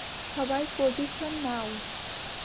সবাই পজিশন নাও!